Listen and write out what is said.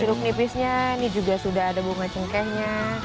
jeruk nipisnya ini juga sudah ada bunga cengkehnya